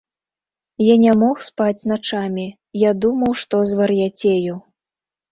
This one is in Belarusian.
Я не мог спаць начамі, я думаў, што звар'яцею.